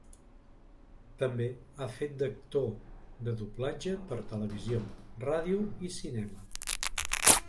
També ha fet d'actor de doblatge per televisió, ràdio i cinema.